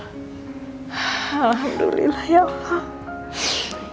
alhamdulillah ya allah